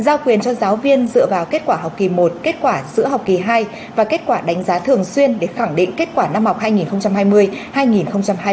giao quyền cho giáo viên dựa vào kết quả học kỳ một kết quả giữa học kỳ hai và kết quả đánh giá thường xuyên để khẳng định kết quả năm học hai nghìn hai mươi hai nghìn hai mươi